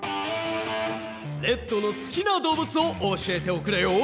レッドのすきなどうぶつを教えておくれよ！